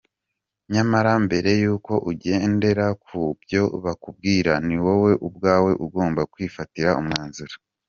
Nyamara mbere yuko ugendera ku byo bakubwira, ni wowe ubwawe ugomba kwifatira umwanzuro.